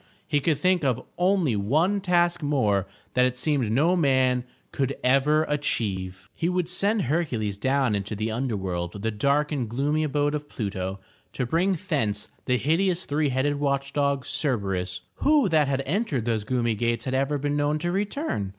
He could think of only 433 M Y BOOK HOUSE one task more that it seemed no man could ever achieve. He would send Hercules down into the under world, the dark and gloomy abode of Plu'to, to bring thence the hideous three headed watch dog Cer'ber us. Who that had entered those gloomy gates had ever been known to return?